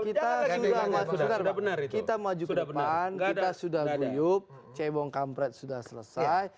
kita sudah masuk ke depan kita sudah kuyuk cebong kampret sudah selesai